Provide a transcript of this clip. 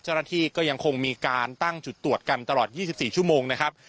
เจ้าหน้าที่ก็ยังคงมีการตั้งจุดตรวจกันตลอด๒๔ชั่วโมงนะครับ